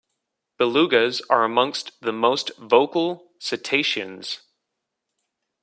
Belugas are amongst the most vocal cetaceans.